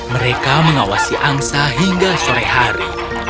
mereka mengawasi angsa hingga sore hari